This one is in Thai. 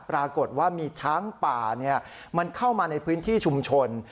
ปรากฏว่ามีช้างป่ามันเข้ามาในพื้นที่ชุมชน